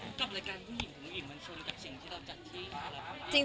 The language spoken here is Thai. แล้วลายการปุหินต่างมันจะเป็นแบบนี้หรือนั่นไง